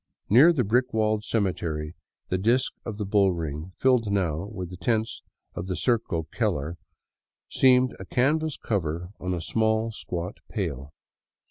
Near the brick walled cemetery the disk of the bullring, filled now with the tents of the '* Circo Keller," seemed a canvas cover on a small squat tpail.